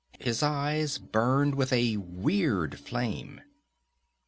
His eyes burned with a weird flame.